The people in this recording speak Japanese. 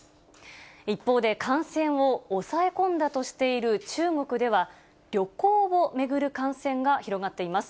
一方で感染を抑え込んだとしている中国では、旅行を巡る感染が広がっています。